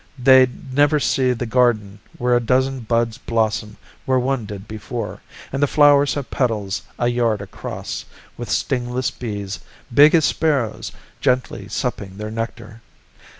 "They'd never see the garden where a dozen buds blossom where one did before, and the flowers have petals a yard across, with stingless bees big as sparrows gently supping their nectar.